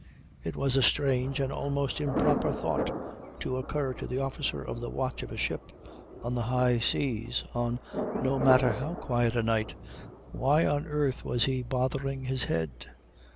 It was a strange and almost improper thought to occur to the officer of the watch of a ship on the high seas on no matter how quiet a night. Why on earth was he bothering his head?